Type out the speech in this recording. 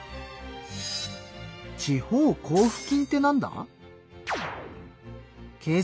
地方交付金ってなんだ？